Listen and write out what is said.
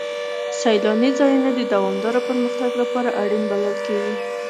سیلاني ځایونه د دوامداره پرمختګ لپاره اړین بلل کېږي.